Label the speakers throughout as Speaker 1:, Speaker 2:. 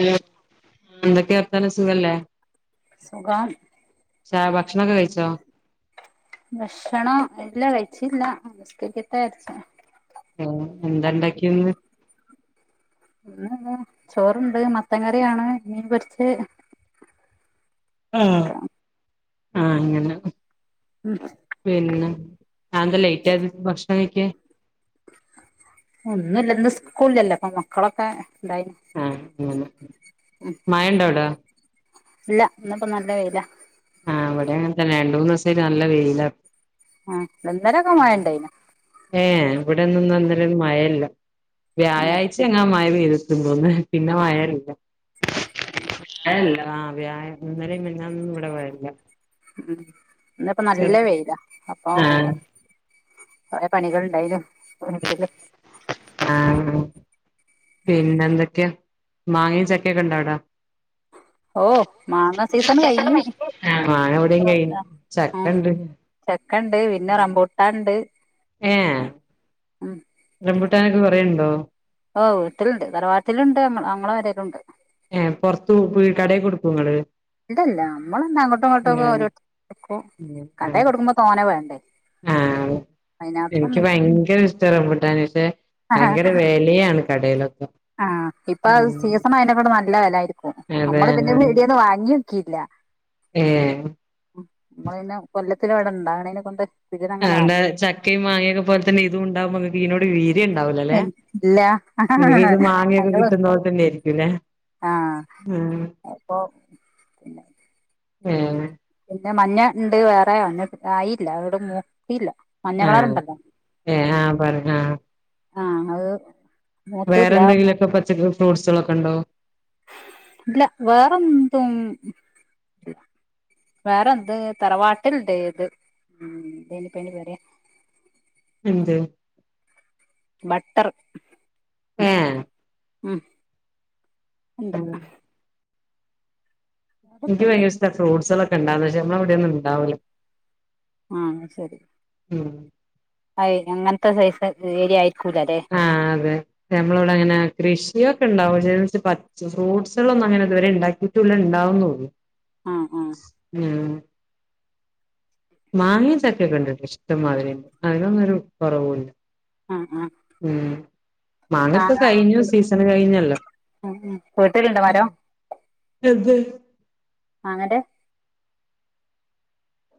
Speaker 1: Hello എന്തൊക്കെ വർത്താനം സുഖല്ലേ
Speaker 2: സുഖാം
Speaker 1: ച്ച ഭക്ഷണൊക്കെ കഴിച്ചോ
Speaker 2: ഭക്ഷണം ഇല്ല കഴിച്ചില്ല നിസ്ക്കരിക്കട്ടേ ര്‌ച്ച്
Speaker 1: ആ എന്താ ണ്ടാക്ക്യന്ന്
Speaker 2: [unintelligible] ചോറ്ണ്ട് മത്തൻ കറിയാണ് മീൻപൊര്ച്ചെ [unintelligible]
Speaker 1: ആ അങ്ങനെ പിന്നെ ആന്തെ ലെയ്റ്റായത് ഭക്ഷണം കഴിക്കാൻ
Speaker 2: ഒന്നുല്ല ഇന്ന് സ്കൂളില്ലല്ലോ അപ്പൊ മക്കളൊക്കെ ഇണ്ടായിന്
Speaker 1: ആ ഉം മഴണ്ടോവടാ
Speaker 2: ഇല്ല ഇന്ന്പ്പോ നല്ല വെയിലാ
Speaker 1: ആ ഇവടെ അങ്ങൻ തന്നെ രണ്ടു മൂന്ന് സായിട്ട് നല്ല വെയിലാ
Speaker 2: ആ ഇന്നലെഞ്ഞ മഴണ്ടായി ണ്
Speaker 1: ഏഹ് ഇവിടൊന്നുംന്ന ഇന്നലെന്നും മഴല്ല
Speaker 2: ഉം
Speaker 1: വ്യഴായ്ചെങ്ങ മഴ പെയ് യ്ത് ക്ക്ന്ന് പിന്നെ മഴല്ല
Speaker 2: [inaudible]
Speaker 1: എല്ലാ വ്യാഴ ഇന്നലേം മിഞ്ഞാന്നൊന്നും ഇവടെ മഴല്ല
Speaker 2: ഉം ഇന്നിപ്പ നല്ല വെയിലാ അപ്പൊ ഓ ഓ
Speaker 1: ആഹ്
Speaker 2: കൊറേ പണികളുണ്ടായില്ലോ വീട്ടില്
Speaker 1: പിന്നെന്തെക്ക്യാ മാങ്ങേം ചക്കേക്കെ ഇണ്ടാവടെ
Speaker 2: ഓ മാങ്ങ സീസൺ കഴിഞ്ഞ്
Speaker 1: ആ മാങ്ങ ഇവടേം
Speaker 2: ഇപ്പൊ
Speaker 1: കഴിഞ്ഞ്
Speaker 2: ഉം
Speaker 1: ചക്കണ്ട്
Speaker 2: ചക്കണ്ട് പിന്നെ റംബൂട്ടാൻ ഇണ്ട്
Speaker 1: ഏ
Speaker 2: ഉം
Speaker 1: റംമ്പുട്ടാനൊക്കെ കൊറേ ഓ
Speaker 2: ഓ വീട്ടില്ണ്ട് തറവാട്ടിലുണ്ട് അമ് ഞങ്ങളെ പേരേലുണ്ട്
Speaker 1: ഏ പൊർത്ത് വീ കടേ കൊട്ക്കോങ്ങള്
Speaker 2: ഇതല്ല അമ്മളന്ന അങ്ങോട്ടോ ഇങ്ങോട്ടൊക്കെ ഓരോര്തര്ക്ക് കൊട്ക്കും കടെ കൊട്ക്കുമ്പോ തോന്നെ വേണ്ടേ
Speaker 1: ആഹ്
Speaker 2: അയ്‌നാ ത്രൊനി
Speaker 1: ട്ടാ റംമ്പൂട്ടാന് പക്ഷേ ഭയങ്കര വെലയാണ് കടേലൊക്കെ
Speaker 2: ആഹ് ഇപ്പൊ
Speaker 1: ഉം
Speaker 2: സീസണ് ആയത് കൊണ്ട് നല്ല നല്ല വിലയായിരിക്കും
Speaker 1: അതെ
Speaker 2: നമ്മള് പിന്നെ പീടികന്ന് വാങ്ങി ക്കില്ല
Speaker 1: ഏ
Speaker 2: നമ്മളന്നെ കൊല്ല ന്തെരവിടെ ഉണ്ടാകുന്നതു കൊന്തൻ
Speaker 1: ആണ്ടെ ചക്കയും മാങ്ങിയൊക്കെ പോലെ തന്നെ ഇതും ഉണ്ടാവുംമ്പോ തന്നെ കീനോട്‌വീ
Speaker 2: ല്ല ആഹ ഹ
Speaker 1: ഇത് മാങ്ങയൊക്കെ
Speaker 2: ഹ
Speaker 1: കിട്ടുന്ന പോലെ തന്നെ ആയിരിക്കുംല്ലേ ആഹ്
Speaker 2: ആഅപ്പൊ
Speaker 1: ഉം
Speaker 2: പിന്നെ മഞ്ഞ ഇണ്ട് വേറെ മഞ്ഞ ആയില്ല ഒട് മൂ
Speaker 1: ആ ഏ ആ പറ ആ
Speaker 2: ആ അത്
Speaker 1: വേറെ
Speaker 2: മൂത്തില്ല
Speaker 1: എന്തെങ്കിലുമൊക്കെ പച്ചക്ക ഫ്രൂട്ട്സുകളൊക്കെ ഉണ്ടോ
Speaker 2: ഇല്ല വേറെന്തും വേറെന്ത് തറവാട്ടിലുണ്ട് ഇത് ഇനിപ്പേ നി പറയാ
Speaker 1: എന്ത്
Speaker 2: ബട്ടർ
Speaker 1: ആ
Speaker 2: മം
Speaker 1: മം എനിക്ക്
Speaker 2: അതൊക്കെണ്ട്
Speaker 1: ഭയങ്കര ഇഷ്ട ഫ്രൂട്സ്കളൊക്കെ ണ്ടാ വൂന്ന് വച്ചാ നമ്മളവിടെ ഒന്നും ഉണ്ടാവില്ല
Speaker 2: ആ ശരി
Speaker 1: ഉ
Speaker 2: ആ അങ്ങനത്തെ സൈസ് ഏരിയയി
Speaker 1: ആ അതെ നമ്മളെ ഇവിടെ അങ്ങനെ കൃഷിയൊ ക്കെ ഉണ്ടാവും പക്ഷെ ഫ്രൂട്ട്സുകളൊന്നും അങ്ങനെ ഇതുവരെ ഉണ്ടാക്കിയിഒട്ടുമില്ല ഉണ്ടാവുന്നുള്ളൂ
Speaker 2: ആ ആ
Speaker 1: ഉം മാങ്ങയും ചക്കേക്കെ ഉണ്ട്ട്ടാ ഇഷ്ടംമാതിരി അതിനൊന്നും ഒരു കുറവൂല്ല
Speaker 2: ആഹ് ആഹ്
Speaker 1: ഉം മാങ്ങയിപ്പ
Speaker 2: മാങ്ങ
Speaker 1: കഴിഞ്ഞു സീസൺ കഴിഞ്ഞല്ലോ
Speaker 2: ഉം ഉം വീട്ടിലുണ്ടോ മരം മാങ്ങേന്റെ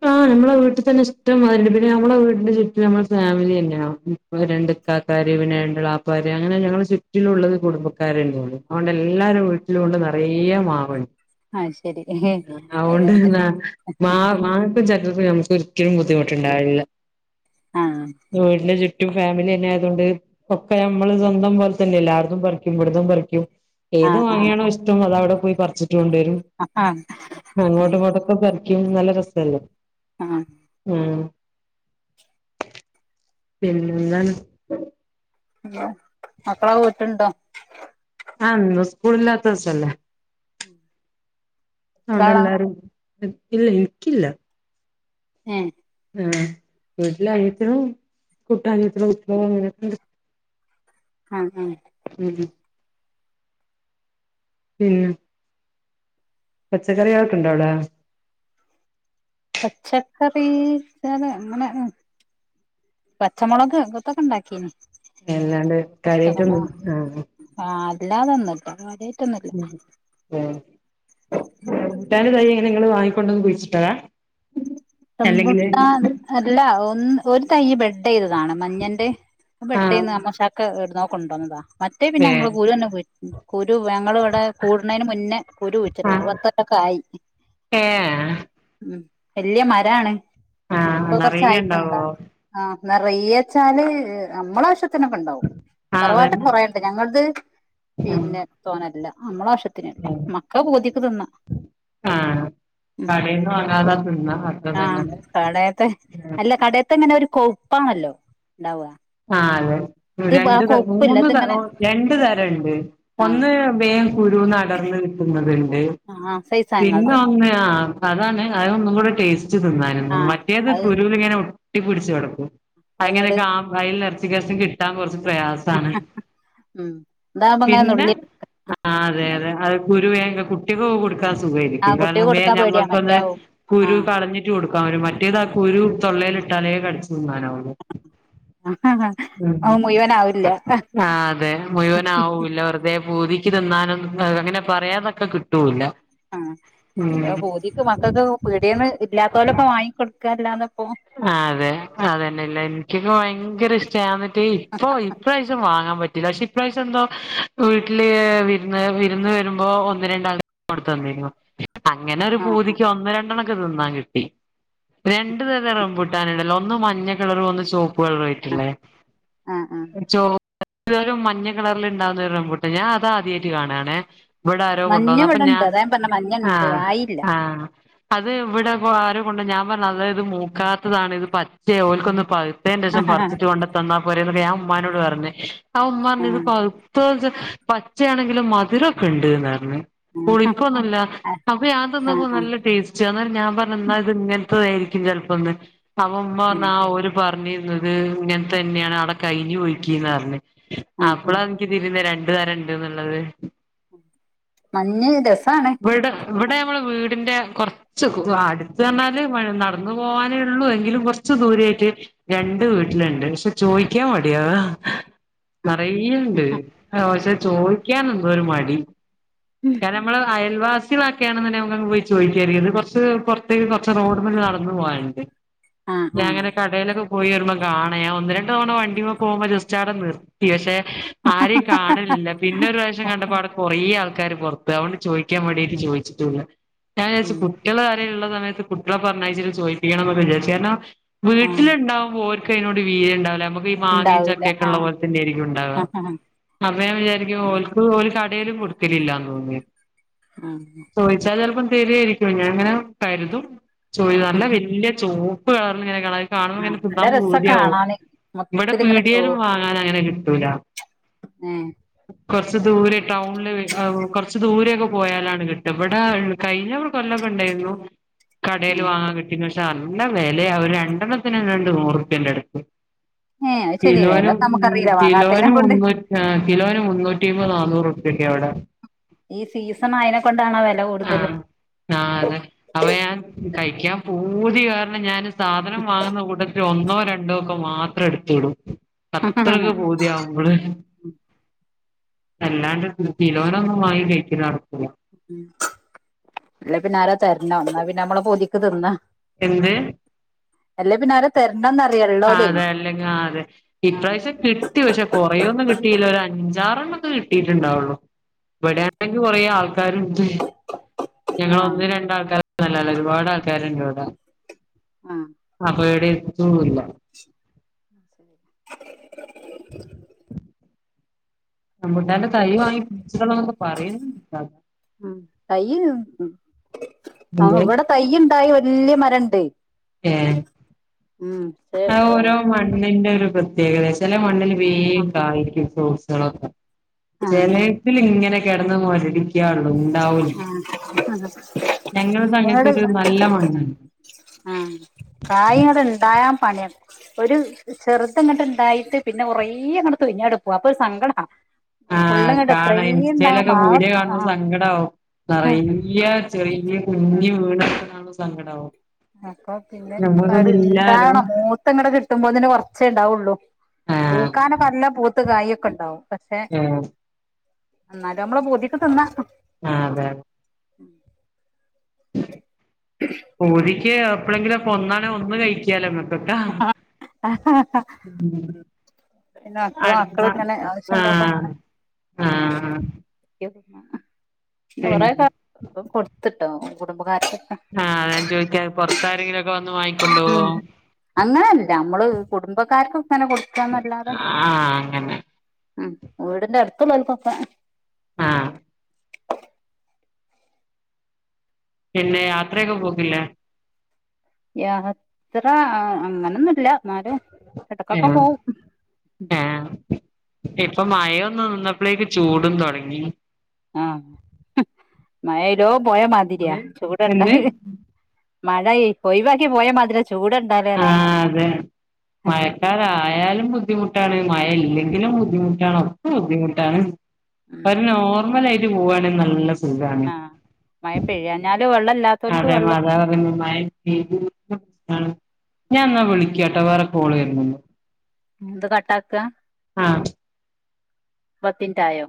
Speaker 1: ആ നമ്മളെ വീട്ടിൽ തന്നെ ഇഷ്ടം മാതിരിണ്ട് പിന്നെ മ്മളെ വീടിന്റെ ചുറ്റില് നമ്മുടെ ഫാമിലി തന്നെയ രണ്ട ഇക്കാക്കാരു പിന്നെ രണ്ടു ഇളപ്പാര് അങ്ങനെ ഞങ്ങളെ ചുറ്റിലുള്ളത് കുടുംബക്കാരന്നെ ഉള്ളു അതൊണ്ട് എല്ലാരും വീട്ടിലുണ്ട് നിറയ മാവണ്ട്
Speaker 2: അത് ശരി
Speaker 1: ആ അതൊണ്ട്
Speaker 2: അയിനോണ്ട്
Speaker 1: തന്ന മാ മാങ്ങക്കും ചക്കക്കുമൊന്നും ഒരിക്കലും ബുദ്ധിമുട്ടുണ്ടാവില്ല
Speaker 2: ആഹ്
Speaker 1: വീട്ടിനു ചു റ്റും ഫാമിലി തന്നെ ആയതുകൊണ്ട് ഒക്കെ നമ്മള് സ്വന്തം പോലെ തന്നെ അല്ലെ അവിടുന്നും പറിക്കും പറിക്കും ഇവിടുന്നും പറിക്കും ഏത്
Speaker 2: ആഹ് ആഹ്
Speaker 1: മാങ്ങയാണോ ഇഷ്ടം അത് അവിടെ പോയി പറിച്ച ട്ടു കൊണ്ടരും
Speaker 2: ആഹ്
Speaker 1: അങ്ങോട്ട് ഇങ്ങോട്ടും കെ പറി ക്കും നല്ല രസല്ലേ
Speaker 2: ആ
Speaker 1: ആ പിന്നെന്താണ്
Speaker 2: മ് മക്കളൊക്ക വീട്ടി ഉണ്ടോ
Speaker 1: ആ ഇന്ന് സ്കൂളില്ലാത്ത ദിവസല്ലേ
Speaker 2: എത്ര
Speaker 1: ഉണ്ട
Speaker 2: ആളാ
Speaker 1: എല്ലാരും ഇല്ല എനിക്കില്ല
Speaker 2: ഏ
Speaker 1: ആ വീട്ടിൽ അനിയത്തീടെ കുട്ടിയും അനിയത്തീടെ കുട്ട്യോളും അങ്ങനക്കെ ഉണ്ട്
Speaker 2: ആ ഉം
Speaker 1: ഉം ഉം പച്ചക്കറികളൊക്കെയുണ്ടോ അവിടെ
Speaker 2: പച്ചക്കറി ഇങ്ങനെ പച്ചമുളക് ഇകത്തൊക്കെ ഉണ്ടാക്കീന്
Speaker 1: എല്ലാണ്ട് കാര്യമായിട്ടും ആ
Speaker 2: അല്ലാതെന്നില്ലാ [unintelligible]
Speaker 1: മ് ആ [unintelligible] നിങ്ങള് വാങ്ങിക്കൊണ്ടൊന്ന് കുഴിച്ചിട്ടതാ അല്ലെങ്കില്
Speaker 2: റംബൂട്ടാൻ അല്ല ഒ ഉം ഒരു തൈ ബഡ് ചെയ്തത് താണ് മഞ്ഞന്റെ
Speaker 1: ആഹ്
Speaker 2: ബഡെയുന്നത് അമ്മോശക്ക എവിടുന്നോ കൊണ്ടോന്നതാ മറ്റേ
Speaker 1: ഏഹ്
Speaker 2: പിന്നെഞങ്ങള് കുര്യന്നെ കയി രു ഞങ്ങളിവടെ ഇവിടെ കൂട് ണേന് മുന്നേ കുരു കുയിച്ചിട്ടതാ
Speaker 1: ആഹ്
Speaker 2: പത്തൊല്ലക്കായി
Speaker 1: ഏഹ്
Speaker 2: ഉ വല്യ മ രാണ്
Speaker 1: ആഹ്
Speaker 2: അപ്പൊ
Speaker 1: നറയെ ഉണ്ടാവോ
Speaker 2: കൊറച്ചായിപ്പണ്ടാവ്ണ് ആ ന്നറിയച്ചാല് നമ്മളാവശ്യ
Speaker 1: ആഹ്
Speaker 2: ത്തിനൊക്കെണ്ടാവുംതറവാട്ട്
Speaker 1: അതന്നെ
Speaker 2: കുറെ ണ്ട്ഞങ്ങൾ ത് പിന്നെ തോനല്ല നമ്മളാ
Speaker 1: ആഹ ക ടെന്ന് വാങ്ങാതെ. തിന്ന
Speaker 2: ആഹ കടയത്തെ അല്ല കട ഇങ്ങനെ ഒരു കൊ ഉപ്പാണല്ലോ ഉണ്ടാവ
Speaker 1: ആ അതെ രണ്ട് ത മൂന്ന് ത
Speaker 2: ഇതിങ്ങനെ
Speaker 1: രണ്ട് തരണ്ട്
Speaker 2: ആഹ്
Speaker 1: ഒന്ന് മ്പേ കുരുന്ന്ടർന്ന് കിട്ടുന്നത്
Speaker 2: ആഹ്
Speaker 1: പിന്നെ
Speaker 2: സൈസാങ്ങളത്
Speaker 1: ഒന്ന് ആ അതാണ് അത ഒന്നും കൂടെ ടേസ്റ്റ് ച്തിന്ന നൊന്നു
Speaker 2: ആഹ്
Speaker 1: മറ്റേത്
Speaker 2: അത്
Speaker 1: കുരു ലിങ്ങനെ ഒ ട്ടി പിടിച്ച് കടക്കും അയെങ്ങനെ
Speaker 2: അങ്ങട്
Speaker 1: കാ ലർചികേസൻ കിട്ടൻ കുറച്ച് പ്രയാസാണ്
Speaker 2: ഉം ഇതാവുമ്പോ ഇങ്ങനെ
Speaker 1: പിന്നെ
Speaker 2: നുള്ളി
Speaker 1: ആ അതെ അതെ അത് ഗുരുവേ കുട്ടികൊക്കെ കൊട് ക്കാൻസുഖരിക്കും
Speaker 2: ആഹ് കുട്ടിക്ക്
Speaker 1: കാരണം
Speaker 2: കൊടുക്കാൻ പേടിയാ
Speaker 1: നമ്മുക്കൊന്ന്
Speaker 2: മറ്റാവും
Speaker 1: കുരു
Speaker 2: ആഹ്
Speaker 1: കളഞ്ഞിട്ട് കൊടുക്കാൻ വരും മറ്റേത് ആ കുരു തൊള്ളൽ ട്ടാലേ കടിച്ചു തിന്നാനാവോ ളു ഉ
Speaker 2: അത് മുഴുവനാവില്ല
Speaker 1: ആ അതെ മുഴുവൻ ആവുല്ല വെറുതെ പൂതി ക്കി തിന്നാനും അങ്ങനെ പറയാതെ ക്ക് കിട്ടൂല
Speaker 2: ആ പിന്നെ പുതിക്ക് മക്കൾക്ക് പീടന്ന് ഇല്ലാത്തോലൊക്കെ വാങ്ങിക്കൊടു ക്കല്ലാ
Speaker 1: ആ അതെ അതന്നെല്ല എനിക്കൊക്കെ ഭ ഭയങ്കരഷ്ടാ ഇപ്പൊ ഇപ്രാവശ്യം വാങ്ങാൻ പ്രലഷി പ്ര്രാവസ് എന്തോ വീട്ടില് വിരുന്ന് വിരുന്ന് വരുമ്പോ ഒന്ന് രണ്ടാൾ കൊടുത്തു തന്നിരുന്നു അങ്ങനെ ഒരു
Speaker 2: ആഹ്
Speaker 1: പൂതിക്ക്
Speaker 2: ആഹ്
Speaker 1: ഒന്ന് രണ്ടെണ്ണം തിന്നാ കിട്ടി രണ്ട റംബുട്ടാനണ്ടല്ലോ ഒന്ന് മഞ്ഞ കളറും ചോപ്പ് യിട്ടില്ലേ
Speaker 2: ആഹ് ആഹ് ആഹ്
Speaker 1: മഞ്ഞ കിറൽ ഉണ്ടാവുന്ന ഒരുര റംബുട്ടാൻ ഞാൻ അത് ആദ്യമായിട്ട് കാണണേ ഇവിടെ ആരോ കൊണ്ടു
Speaker 2: മഞ്ഞ
Speaker 1: പോന്ന അപ്പൊ ഞാൻ
Speaker 2: ഇവിടെണ്ട് അതാ പറഞ്ഞെ മഞ്ഞ ഇണ്ട്
Speaker 1: ആഹ
Speaker 2: ആയില്ല
Speaker 1: ആഹ അത് ഇവിടെ ആരും ണ്ട് ഞാ പറ നല്ലത് പക്കാത്തതാണ് ഇത് പച്ച ഓലക്കൊന്ന് പ അേ ദസം
Speaker 2: ആഹ് ആഹ്
Speaker 1: പറിച്ചിട്ട കൊണ്ട് തന്നാ പോരന്നക്കെഞൻ ഉ്നോട് പറഞ്ഞഞ് [inaudible] ആ ഉമ്മ പറഞ്ഞു ഇത്
Speaker 2: ആഹ്
Speaker 1: പൗത്തോ [unintelligible] പച്ചയാണെങ്കിലും മധുരൊക്കെ ഉണ്ട്ന്ന്റഞ്ഞ് പുളിപ്പൊന്നൂല്ല അപ്പ ഞാന്തിന്നപ്പ
Speaker 2: ആഹ്
Speaker 1: നല്ല ടേസ്റ്റ് എന്നാ ഞാൻ പറഞ്ഞ് എന്നാ ഇത്ങ്ങന? ഇപ്പം ആയിരിക്കും ചെലപോ [unintelligible] അപ്പം ഉമ്മ
Speaker 2: ആഹ്
Speaker 1: പറഞ്ഞാ ആ ഒരു പറഞ്ഞിരുന്നത് ഇങ്ങനെ തന്നെയാണ് അവിടെ കഴിഞ്ഞ് പോഴിക്കിന്നാ പറഞ്ഞേ
Speaker 2: ആഹ്
Speaker 1: അപ്പോളാ എന്ക്ക്തിരു [unintelligible] വീട്ടുകാരണ്ട്ന്നുള്ളത്
Speaker 2: മഞ്ഞ [unintelligible]
Speaker 1: ഇവിടെ ഇവിടെ നമ്മള് വീടിന്റെ കൊറച്ച് അടുത്ത് പറഞ്ഞാല് മ നടന്നു പോകാനേ ഉള്ളൂ എങ്കിലും കൊറച്ച് ദൂരെ ആയിട്ട് രണ്ട് വീട്ടിലുണ്ട് പക്ഷെ ചോയ്ക്കാൻ മടി അതാ. നിറയേണ്ട് പക്ഷെ ചോദിക്കാനുണ്ട് എന്തോരു മടി കാരമ്മള് അയൽവാസികളൊക്കെയാണ്ന്ന്ണ്ടെ ഞമ്മക്കങ്ങ് പോയി ചോദിക്കാര്ന്ന് ഇത് കുറച്ച് പുറത്തേക്ക് കുറച്ച് റോഡ്മ്മല് നടന്നു പോകാനുണ്ട്.
Speaker 2: ആ ആ
Speaker 1: ഞ
Speaker 2: ആ
Speaker 1: അങ്ങനെ കടയിലൊക്കെ പോയി വരുമ്പോ കാണയാ ഒന്ന് രണ്ട് തവണ വണ്ടിമേ പോകുമ്പോ ജസ്റ്റ് ആവിടെ നിർത്തി പക്ഷെ, ആരെയും കാണലില്ല പിന്നൊരു പ്രാവശ്യം കണ്ടപ്പോ അവിടെ കൊറേ ആൾക്കാ ക്കാര് പുറത്തവ ചോദിക്കാൻ വേണ്ടിയിട്ട് ചോദിച്ചിട്ടൂല്ല ഞാൻ [unintelligible]
Speaker 2: ഉം
Speaker 1: കുട്ടികൾ കാര്ള്ള സമയത്ത് കുട്ടികള പറഞ്ഞാച്ചരിൽ ചോദപ്പിക്കണംമെന്ന്ക്ക വിചാരിചു കാരണം
Speaker 2: ആ
Speaker 1: വീട്ടിലുണ്ടാവുമ്പോ [unintelligible] അതിനോട് വീരണ്ടാവില്ല [unintelligible] ഈ മാങ്ങ
Speaker 2: ഉണ്ടാവൂല
Speaker 1: ചക്കൊക്കെ
Speaker 2: ആ
Speaker 1: ഉള്ള പോലെ തന്നെ ആരിക്കും ഉണ്ടാവുക
Speaker 2: ആ
Speaker 1: അപ്പൻ ഞാൻ വിചാരിക്കും ഓല്ക്ക് [unintelligible] ലും കൊടുക്കലില്ലന്ന് തോന്നിയൊ [unintelligible] ശരിയായിരിക്കും ഞാൻ അങ്ങനെ കരുതും ചോയ് നല്ല വല്യ ചോ [unintelligible] കാണുമ്പോ ഇങ്ങനെ
Speaker 2: നല്ല
Speaker 1: തിന്താൻ
Speaker 2: രസാ
Speaker 1: പൂതിയ ഉം
Speaker 2: കാണാന്
Speaker 1: ഇവിടെ
Speaker 2: മൊത്തത്തില് ഇങ്ങനെ ചോ
Speaker 1: പീടിയലും വാങ്ങൻ അങ്ങനെ കിട്ടൂല
Speaker 2: ഏ
Speaker 1: കുറച്ച് ദൂരെ ടൗണില് കുറച്ച് ദൂരെക്കെ പോയാലാണ് കിട്ട് ഇവിടെ കയ്ഞാ കൊല്ലൊക്കെ ഉണ്ടായിന്നു കടയിൽ വാങ്ങാൻ കിട്ടി നല്ല വിലയ അവര് രണ്ടെണ്ണത്തിന് രണ്ട് നൂറുപ്പ്യേ പടുത്ത്
Speaker 2: ഏ അത് ശരി വെല
Speaker 1: കിലോനും
Speaker 2: നമുക്കറിയില്ല വാങ്ങാത്തതിനെ
Speaker 1: കിലോനും
Speaker 2: കൊണ്ട്
Speaker 1: മുന്നൂ കിലോന് മുന്നൂറ്റിമ്പത് നന്നൂറ്റുപ്യ എവിടെ
Speaker 2: ഈ സീസൺ ആയതിനെ കൊണ്ടാണോ വില കൂടുതൽ
Speaker 1: ആഹ് ഊതി കാരണം ഞാൻ സാധനം വാങ്ങുന്ന കൂട്ടത്തിൽ ഒന്നോ രണ്ടോ ഒക്കെ മാത്രം എടുത്ത് വിടും അത്രൊക്കെ പൂതിയാവുമ്പള് അല്ലാണ്ട് കിലോന് ഒന്നും വാങ്ങി കഴി ക്കാൻ ഒക്കില്ല
Speaker 2: ഉ അല്ല പിന്നെ ആര തരണ എന്നാ പിന്നെ നമ്മള കൊതിക്ക് തിന്ന
Speaker 1: എന്ത്
Speaker 2: അല്ലേ പിന്നെ ആരെ തരണ്ട
Speaker 1: അതെ അല്ലെങ്ക ആ അതെ
Speaker 2: ആ
Speaker 1: ഇപ്രാവശ്യം കിട്ടി പക്ഷെ കൊറേൊന്നും കിട്ടിയില്ല ഒരു അഞ്ച് ചാറണ്ണ ഒക്കെ കിട്ടിട്ടുണ്ടാവുള്ളു ഇവിടാനെങ്കിൽ കുറെ ആൾക്ക കാരുണ്ട് ഞങ്ങൾ
Speaker 2: ആ
Speaker 1: ഒന്ന് രണ്ടാൾക്കാർ ഒന്നുമല്ല ഒരുപാട് ആൾക്കാരുണ്ട് ഇവിടെ
Speaker 2: ആ
Speaker 1: അപ്പൊ ഇവിടെ ഉ ഇല്ല
Speaker 2: ആ ശരി
Speaker 1: ആ എന്റെ തൈ വാങ്ങി പിടിച്ചിടണം എന്നൊക്കെ പറയുന്നു
Speaker 2: തൈ ഉം ആ ഇവിടെ തൈയി തായി വല്യ മരണ്ട്
Speaker 1: ഏ
Speaker 2: ഉം പക്ഷെ
Speaker 1: ആ ഓരോ മണ്ണിന്റെ ഒരു പ്രതേകതയാ ചില മണ്ണിൽ വേഗം
Speaker 2: ആ
Speaker 1: കായ്ക്കും [unintelligible] ചിലേതിന് ഇങ്ങനെ കിടന്ന് മൊരടിക്കും ക്കാള്ളു ഉണ്ടാവൂല ഞങ്ങളത്
Speaker 2: ഒന്നൂടെ
Speaker 1: അങ്ങനൊത്തൊരു നല്ല മണ്ണാണ്
Speaker 2: ആ പ്രായം അതുണ്ടായ പണിയ ഒരു ചെറുതിങ്ങട്ട് ഇണ്ടായിട്ട് പിന്നെ കുറേ അങ്ങട് തൊഴിഞ്ഞു കിടക്കും അപ്പൊ ഒരു സങ്കടാ
Speaker 1: ആഹ
Speaker 2: ഫുള്ള്ങ്ങട്ട്
Speaker 1: കാണാം
Speaker 2: എത്രയും ഇണ്ടാവും
Speaker 1: ഇൻസ്റ്റയിലൊക്കെ
Speaker 2: മാള
Speaker 1: വീഡിയോ
Speaker 2: ആ
Speaker 1: കാണുമ്പോ സങ്കടമാവും നിറയെ ചെറിയ
Speaker 2: ഉം
Speaker 1: കുഞ്ഞുവീണ് കാണുമ്പോ സങ്കടാവും
Speaker 2: അപ്പൊ പിന്നെ ഇനീപ്പത്
Speaker 1: ഞമ്മക്കൊന്നും ഇല്ലാലോ
Speaker 2: ഇണ്ടാവണം മൂത്ത് ഇങ്ങട് കിട്ടുമ്പോത്തിനും കൊറച്ചേ ഉണ്ടാവുള്ളു
Speaker 1: ആഹ്
Speaker 2: പൂക്കാനൊക്കെ നല്ല പൂത്ത് കായൊക്കെ ഇണ്ടാവും പക്ഷെ
Speaker 1: ഏഹ്
Speaker 2: എന്നാലും നമ്മളെ പൂതിക്ക് തിന്നാൻ
Speaker 1: ആ അതെ പൂതി എപ്പളെങ്കിലൊക്കെ ഒന്നാണെ ഒന്ന് കഴിക്കാലോ
Speaker 2: ഉം പിന്നെ മക്കള്
Speaker 1: അടുത്ത
Speaker 2: മക്കള് ഇങ്ങനെ ആവശ്യം ഉണ്ടാവുമ്പോ
Speaker 1: ആഹ
Speaker 2: അങ്ങനെ
Speaker 1: ആഹ
Speaker 2: കൊറെയൊക്കെ കൊടുത്ത് ട്ടോ കുടുംബകാര്
Speaker 1: ആഹ ഞാൻ ചോദിക്ക്യ പുറത്താരെങ്കിലൊക്കെ വ ന്നുവായി കൊണ്ടൊവോ
Speaker 2: അങ്ങനെയല്ല നമ്മള് കുടുംബക്കാർക്ക്
Speaker 1: ആഹ അങ്ങനെ
Speaker 2: ഉം വീടിന്റെ അടുത്തുള്ളോർക്കൊക്കെ
Speaker 1: ആഹ പിന്നെ യാത്രയൊക്കെ പോക്കില്ലേ?
Speaker 2: യാത്ര ആ അങ്ങനൊ ന്നുൽ ല്ല ന്നാലും എടക്കൊക്കെ
Speaker 1: ഏഹ്
Speaker 2: പോഉം
Speaker 1: ന്നന്നപ്പ്ളേക്ക് ചൂടും തൊടങ്ങി
Speaker 2: മഴേഴ് ലോ പോയ മാതിരി
Speaker 1: എന്ത്
Speaker 2: ചൂടണ്ടാ
Speaker 1: എന്ത്
Speaker 2: [inaudible] മഴഴ് ഒഴിവാക്കി പോയ മത് ര [unintelligible]
Speaker 1: ആ അതെ മഴക്കാറ് ആയാലും ബുദ്ധിമുട്ടാണ് മഴ ഇല്ലെങ്കി ഇലും ബുദ്ധിമുട്ടാണ് ഒക്ക ബുദ്ധിമുട്ടാണ് ഒര് നോർമല് അയി റ്റ് പോവാണെ നല്ല സ് സുഖാണ്
Speaker 2: ആഹ് മഴ പെയ്യാഞ്ഞാല് വെള്ളം ഇല്ലാത്തോൽക്ക്
Speaker 1: അതെ
Speaker 2: വെള്ളം
Speaker 1: മതാപറിണു മഴ ഇ [unintelligible] ഞാൻ ന്നാ വിളിക്യാ ട്ടോ വേറെ കോള് വെര്ന്ന്ണ്ട്
Speaker 2: ഇത് കട്ടാക്ക്ആ
Speaker 1: ആ
Speaker 2: പത്തിൻറ്റ് ആയോ